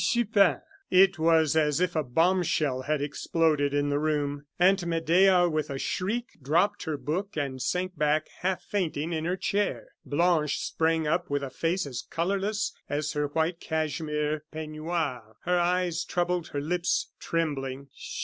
"Chupin." It was as if a bomb shell had exploded in the room. Aunt Medea, with a shriek, dropped her book, and sank back, half fainting, in her chair. Blanche sprang up with a face as colorless as her white cashmere peignoir, her eyes troubled, her lips trembling.